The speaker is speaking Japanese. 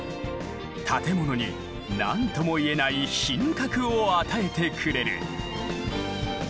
建物に何ともいえない品格を与えてくれる。